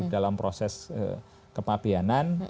dalam proses kepapianan